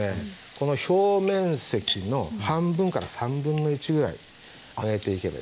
この表面積の半分から３分の１ぐらい揚げていけばいいです。